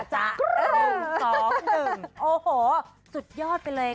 โอ้โหสุดยอดไปเลยค่ะ